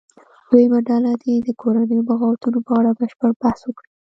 دویمه ډله دې د کورنیو بغاوتونو په اړه بشپړ بحث وکړي.